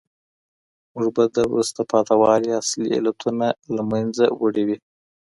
موږ به د وروسته پاته والي اصلي علتونه له منځه وړي وي.